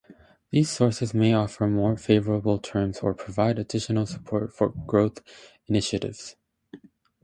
These sources may offer more favorable terms or provide additional support for growth initiatives.